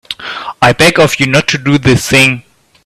I beg of you not to do this thing.